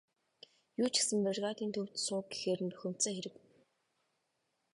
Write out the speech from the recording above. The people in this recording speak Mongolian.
Юу ч гэсэн бригадын төвд суу гэхээр нь бухимдсан хэрэг.